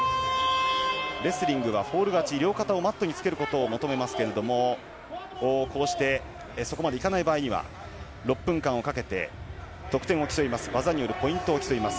レスリングはフォール勝ち両肩がマットにつくことを求められますがこうしてそこまで行かない場合は６分間をかけて得点を競います技によるポイントを競います。